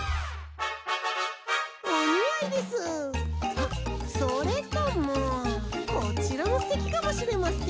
あっそれともこちらもすてきかもしれません。